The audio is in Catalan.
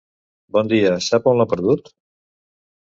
Bon dia, sap on l'ha perdut?